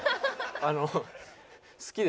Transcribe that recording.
あの。